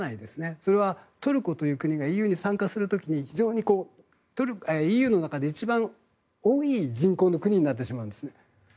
それはトルコという国がＥＵに参加する時に非常にＥＵの中で一番多い人口の国になってしまうんです。